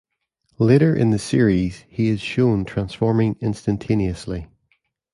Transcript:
Later in the series he is shown transforming instantaneously.